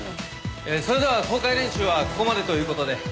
それでは公開練習はここまでという事で。